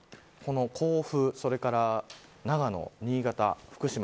甲府それから長野、新潟、福島